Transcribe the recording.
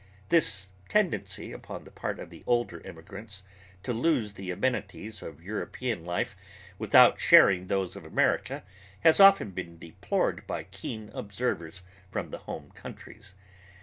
This tendency upon the part of the older immigrants to lose the amenities of European life without sharing those of America has often been deplored by keen observers from the home countries.